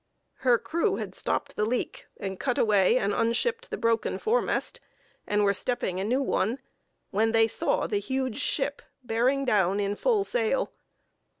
Her crew had stopped the leak, and cut away and unshipped the broken foremast, and were stepping a new one, when they saw the huge ship bearing down in full sail.